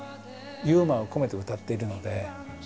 ユーモアを込めて歌っているので。